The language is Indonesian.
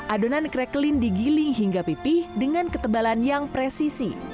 adonan kreklin digiling hingga pipih dengan ketebalan yang presisi